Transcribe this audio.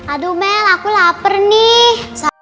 aduh mel aku lapar nih